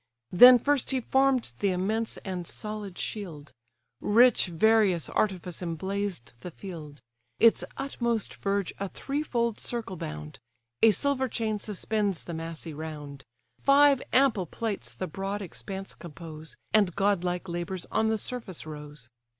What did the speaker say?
Then first he form'd the immense and solid shield; Rich various artifice emblazed the field; Its utmost verge a threefold circle bound; A silver chain suspends the massy round; Five ample plates the broad expanse compose, And godlike labours on the surface rose.